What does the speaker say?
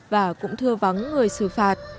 và cũng thưa vắng người xử phạt